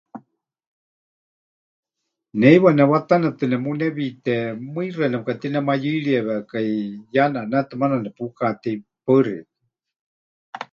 Ne heiwa newatanetɨ nemunewiite mɨixa nepɨkatinemayɨiriewiekai, ya neʼanétɨ maana nepukatei. Paɨ xeikɨ́a.